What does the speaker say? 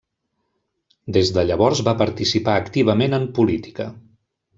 Des de llavors va participar activament en política.